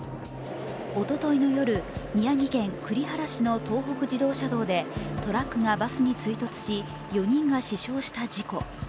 おとといの夜、宮城県栗原市の東北自動車道で、トラックがバスに追突し、４人が死傷した事故。